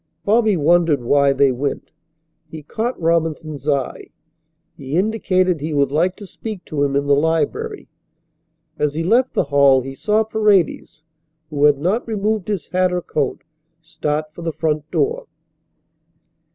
Bobby wondered why they went. He caught Robinson's eye. He indicated he would like to speak to him in the library. As he left the hall he saw Paredes, who had not removed his hat or coat, start for the front door.